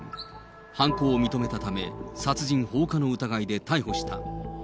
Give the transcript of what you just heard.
犯行を認めたため、殺人放火の疑いで逮捕した。